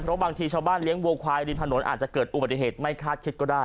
เพราะบางทีชาวบ้านเลี้ยงวูลควายดินถนนก็อาจจะจะอุปกติเฮทไม่คาดคิดก็ได้